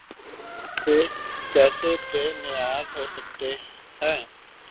زندگی سے کیسے بے نیاز ہو سکتا ہے؟